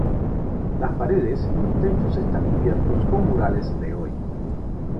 Las paredes y los techos están cubiertos con murales de hoy.